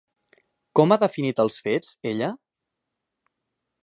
Com ha definit els fets ella?